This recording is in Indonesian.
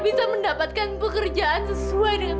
buat apa mereka hidup